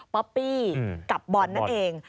ป๊อปปี้กับบอลนั่นเอง